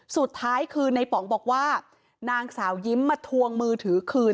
สุดท้ายคือในป๋องบอกว่านางสาวยิ้มมาทวงมือถือคืน